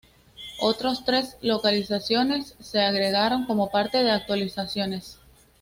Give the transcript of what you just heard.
Otros tres localizaciones se agregaron como parte de actualizaciones.